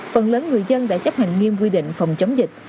phần lớn người dân đã chấp hành nghiêm quy định phòng chống dịch